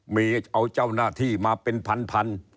มีเอาเจ้าหน้าที่มาเป็นพัน